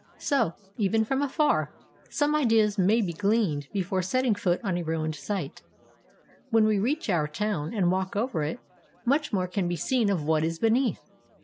So, even from afar, some ideas may be gleaned before setting foot on a ruined site. When we reach our town and walk over it, much more can be seen of what is beneath.